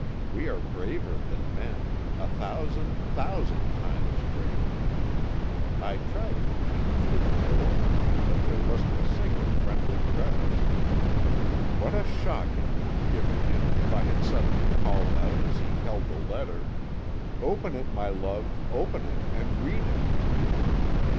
We are braver than men, a thousand, thousand times braver. I tried to peep through the door, but there wasn't a single friendly crevice. What a shock it would have given him if I had suddenly called out as he held the letter: 'Open it, my love, open it and read it!'"